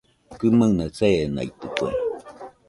Kɨmaɨna seenaitɨkue